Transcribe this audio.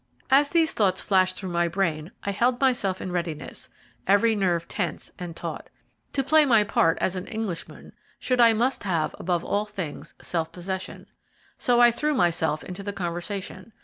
As these thoughts flashed through my brain, I held myself in readiness, every nerve tense and taut. To play my part as an Englishman should I must have, above all things, self possession. So I threw myself into the conversation.